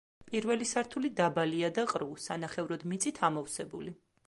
პირველი სართული დაბალია და ყრუ, სანახევროდ მიწით ამოვსებული.